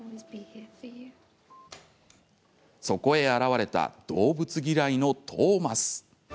そこへ現れた動物嫌いのトーマス。